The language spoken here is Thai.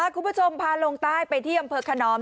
คุณผู้ชมพาลงใต้ไปที่อำเภอขนอม